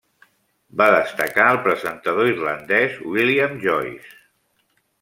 Va destacar el presentador irlandès William Joyce.